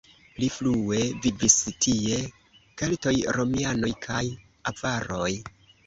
Pli frue vivis tie keltoj, romianoj kaj avaroj.